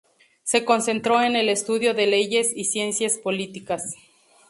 Se concentró en el estudio de Leyes y Ciencias Políticas.